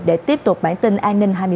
để tiếp tục bản tin an ninh hai mươi h